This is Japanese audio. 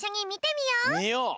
みよう！